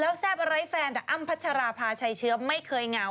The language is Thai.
แซ่บอะไรแฟนแต่อ้ำพัชราภาชัยเชื้อไม่เคยเหงา